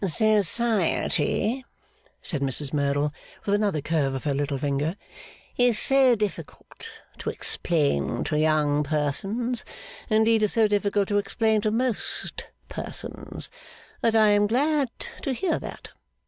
'Society,' said Mrs Merdle, with another curve of her little finger, 'is so difficult to explain to young persons (indeed is so difficult to explain to most persons), that I am glad to hear that.